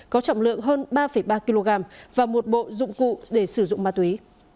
có trọng lượng hơn ba ba kg và một bộ dụng cụ để sử dụng ma túy